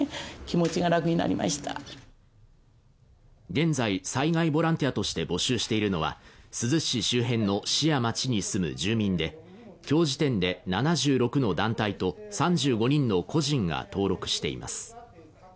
現在災害ボランティアとして募集しているのは珠洲市周辺の市や町に住む住民で、今日時点で７６の団体と３５人の個人が登録しています。